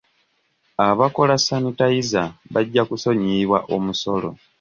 Abakola sanitayiza bajja kusonyiyibwa omusolo.